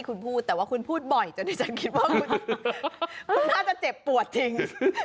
คุณน่าจะเจ็บปวดจริง